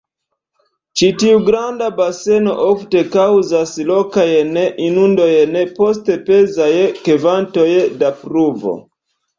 Ĉi-tiu granda baseno ofte kaŭzas lokajn inundojn post pezaj kvantoj da pluvo.